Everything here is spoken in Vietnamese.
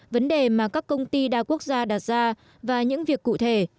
vấn đề mà các công ty đa quốc gia đặt ra và những việc cụ thể